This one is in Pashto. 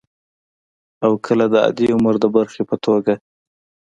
او کله د عادي عمر د برخې په توګه